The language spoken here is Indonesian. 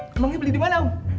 emangnya beli di mana om